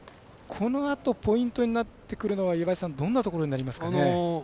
このあとポイントになってくるのは岩井さん、どんなところになりますかね？